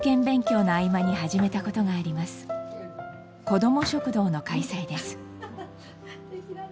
子ども食堂の開催です。